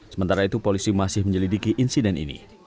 sementara itu polisi masih menyelidiki insiden ini